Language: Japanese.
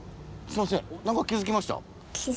すいませんなんか気づきました？